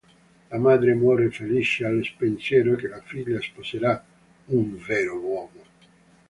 La madre muore felice al pensiero che la figlia sposerà "un vero uomo".